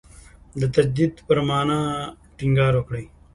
د تجدید پر معنا ټینګار وکړي.